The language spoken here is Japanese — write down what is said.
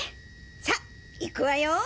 さあいくわよ！